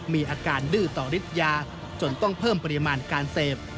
มีอาการดื้อต่อฤทธิ์ยาจนต้องเพิ่มปริมาณการเสพ